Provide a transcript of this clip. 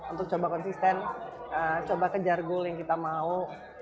untuk coba konsisten coba kejar goal yang kita mau